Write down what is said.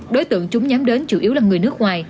đối tượng chúng nhắm đến chủ yếu là người nước ngoài